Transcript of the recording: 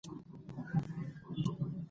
افغانانو به د ملالۍ یاد لمانځلی وي.